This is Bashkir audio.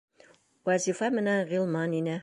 Вазифа менән Ғилман инә.